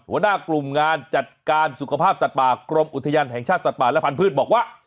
หัวหน้ากลุ่มงานจัดการสุขภาพสัตว์ป่ากรมอุทยานแห่งชาติสัตว์ป่าและพันธุ์บอกว่า